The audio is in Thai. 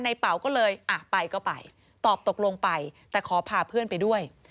เป๋าก็เลยอ่ะไปก็ไปตอบตกลงไปแต่ขอพาเพื่อนไปด้วย